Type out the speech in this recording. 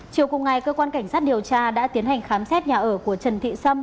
chiều cùng ngày cơ quan cảnh sát điều tra đã tiến hành khám xét nhà ở của trần thị sâm